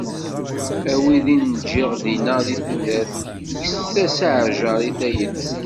A wid i n-ǧǧiɣ dinna di tudert kkset-as aɛjar i tayri.